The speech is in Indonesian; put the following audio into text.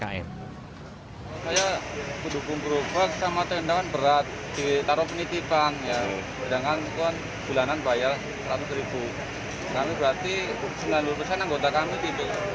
kami berarti sembilan puluh persen anggota kami tidak